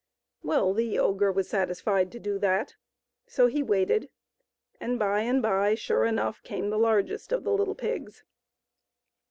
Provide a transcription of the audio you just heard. Well, the ogre was satisfied to do that ; so he waited, and by and by, sure enough, came the largest of the little pigs.